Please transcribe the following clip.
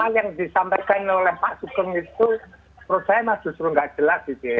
hal yang disampaikan oleh pak sugeng itu menurut saya justru nggak jelas gitu ya